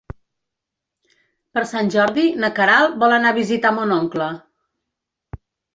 Per Sant Jordi na Queralt vol anar a visitar mon oncle.